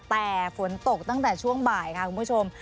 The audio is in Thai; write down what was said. แต่ฝนตกตั้งแต่ช่วงบ่ายค่ะคุณผู้ชม